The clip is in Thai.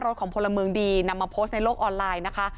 ของพลเมืองดีนำมาโพสต์ในโลกออนไลน์นะคะ